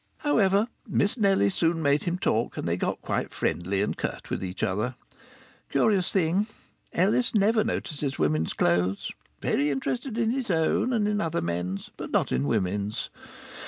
However, Miss Nellie soon made him talk, and they got quite friendly and curt with each other. Curious thing Ellis never notices women's clothes; very interested in his own, and in other men's, but not in women's!